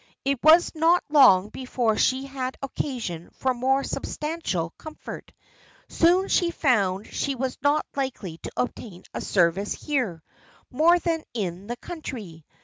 It was not long before she had occasion for more substantial comfort. She soon found she was not likely to obtain a service here, more than in the country.